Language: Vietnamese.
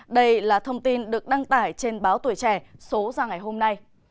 đây là thông tin được đăng tải trên báo tuổi trẻ số ra ngày hôm nay